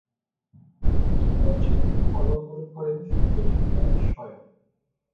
বইটির প্রচ্ছদ ও অলংকরণ করেন সত্যজিৎ রায় স্বয়ং।